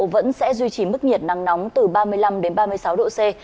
vẫn sẽ duy trì mức nhiệt nắng nóng từ ba mươi năm đến ba mươi sáu độ c